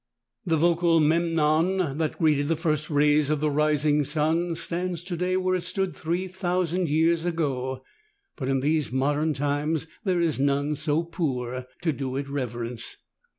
The vocal Memnon that greeted the first rays of the rising sun stands to day where it stood three thousand years ago, but in these modern times there is none so poor to do it reverence.